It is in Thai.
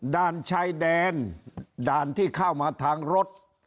ด่านชายแดนด่านที่เข้ามาทางรถ